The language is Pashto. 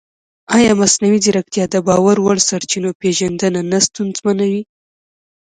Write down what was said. ایا مصنوعي ځیرکتیا د باور وړ سرچینو پېژندنه نه ستونزمنوي؟